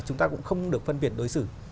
chúng ta cũng không được phân biệt đối xử